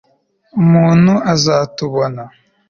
umuntu azatubona